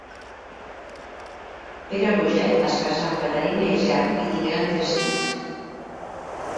Pere Roget es casà amb Caterina Isern i tingueren tres fills: